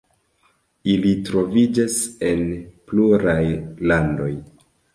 Ili troviĝas en pluraj landoj.